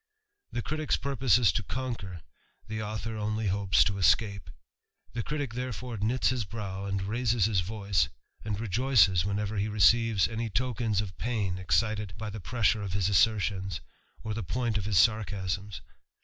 The critick's 2 is to conquer, the author only hopes to escape ; ic therefore knits his brow, and raises hts voice, and i whenever he perceives any tokens of pain excited pressure of his assertions, or the point of his is.